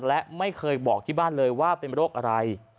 และไม่เคยบอกที่บ้านเลยว่าเป็นโรคอะไร